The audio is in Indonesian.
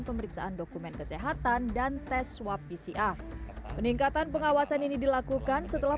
pemeriksaan dokumen kesehatan dan tes swab pcr peningkatan pengawasan ini dilakukan setelah